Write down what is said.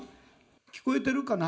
聞こえてるかな？